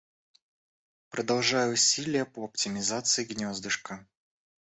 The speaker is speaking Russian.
Продолжаю усилия по оптимизации гнездышка.